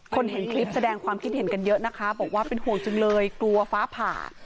เห็นคลิปแสดงความคิดเห็นกันเยอะนะคะบอกว่าเป็นห่วงจังเลยกลัวฟ้าผ่า